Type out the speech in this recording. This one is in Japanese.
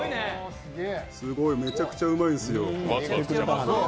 すごいめちゃくちゃうまいんですよ。